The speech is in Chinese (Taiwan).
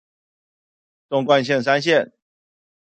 縱貫線山線